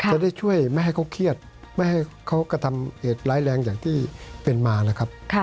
จะได้ช่วยไม่ให้เขาเครียดไม่ให้เขากระทำเหตุร้ายแรงอย่างที่เป็นมานะครับ